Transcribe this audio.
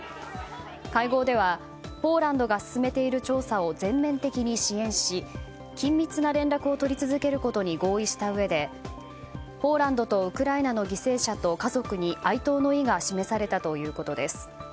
会合ではポーランドが進めている調査を全面的に支援し緊密な連絡を取り続けることで合意したうえで、ポーランドとウクライナの犠牲者と家族に哀悼の意が示されたということです。